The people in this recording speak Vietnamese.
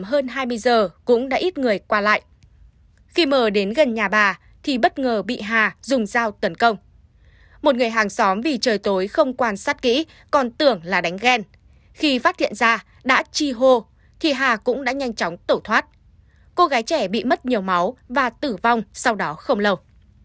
khi mở đến gần nhà bà thì bất ngờ bị h dùng dao tấn công một người hàng xóm vì trời tối không quan sát kỹ còn tưởng là đánh ghen khi phát hiện ra đã chi hô thì h cũng đã nhanh chóng tổ thoát cô gái trẻ bị mất nhiều máu và tử vong sau đó không lâu